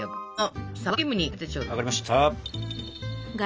あっ！